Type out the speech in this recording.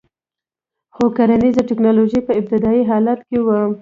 خو کرنیزه ټکنالوژي په ابتدايي حالت کې وه